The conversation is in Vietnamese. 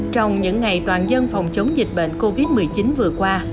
trong những ngày toàn dân phòng chống dịch bệnh covid một mươi chín vừa qua